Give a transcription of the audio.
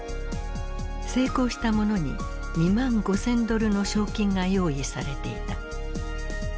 成功した者に２万５，０００ドルの賞金が用意されていた。